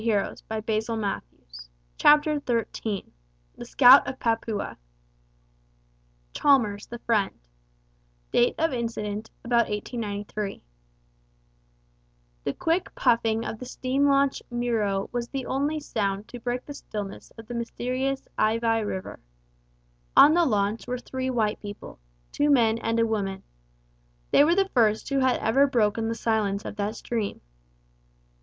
FOOTNOTES: [Footnote 34: See Chapter VII.] CHAPTER XIII THE SCOUT OF PAPUA Chalmers, the Friend (Date of Incident, about 1893) The quick puffing of the steam launch Miro was the only sound to break the stillness of the mysterious Aivai River. On the launch were three white people two men and a woman. They were the first who had ever broken the silence of that stream.